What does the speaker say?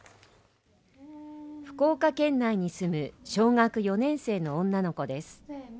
福岡県内に住む小学４年生の女の子です。